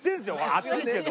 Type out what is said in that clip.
暑いけど。